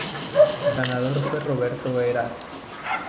El ganador fue Roberto Heras.